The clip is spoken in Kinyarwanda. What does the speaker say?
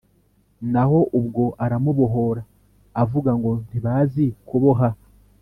Naho ubwo aramubohora, avuga ngo ntibazi kuboha